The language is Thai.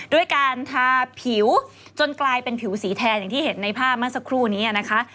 ด้วยการทาผิวจนกลายเป็นผิวสีแทนอย่างที่เห็นในภาพเมื่อสักครู่นี้นะคะ